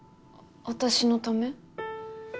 私のため？